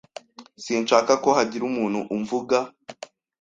Sinshaka ko hagira umuntu umvuga